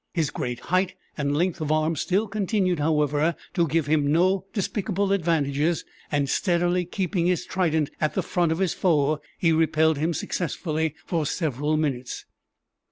His great height and length of arm still continued, however, to give him no despicable advantages; and steadily keeping his trident at the front of his foe, he repelled him successfully for several minutes.